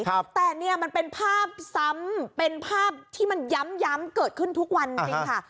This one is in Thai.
แต่เนี่ยมันเป็นภาพซ้ำเป็นภาพที่มันย้ำย้ำเกิดขึ้นทุกวันจริงจริงค่ะ